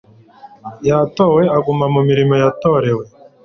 yatowe aguma mu mirimo yatorewe